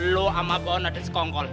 lo sama bawon ada sekongkol